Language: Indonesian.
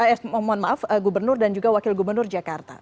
eh mohon maaf gubernur dan juga wakil gubernur jakarta